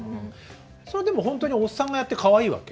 それでも本当におっさんがやってかわいいわけ？